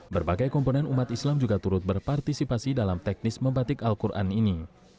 berbagai komponen umat islam juga turut berpartisipasi dalam teknis membatik al quran ini